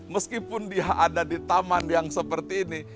meskipun dia ada di taman yang seperti ini